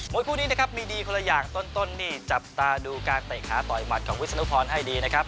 มวยคู่นี้มีดีคนละอย่างต้นจับตาดูการเตะขาต่อยหมัดของวิศนภรรณ์ให้ดีนะครับ